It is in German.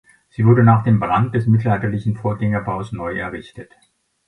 Sie wurde nach dem Brand des mittelalterlichen Vorgängerbaus neu errichtet.